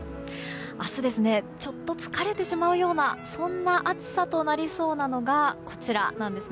明日ちょっと疲れてしまうような暑さとなりそうなのがこちら。